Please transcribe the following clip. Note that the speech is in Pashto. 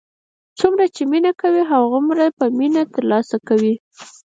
څومره چې مینه کوې، هماغومره به مینه تر لاسه کوې.